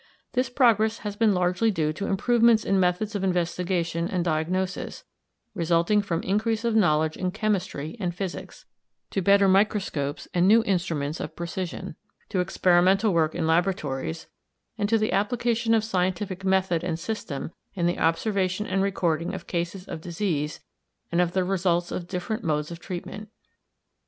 This progress has been largely due to improvements in methods of investigation and diagnosis, resulting from increase of knowledge in chemistry and physics; to better microscopes and new instruments of precision; to experimental work in laboratories and to the application of scientific method and system in the observation and recording of cases of disease and of the results of different modes of treatment.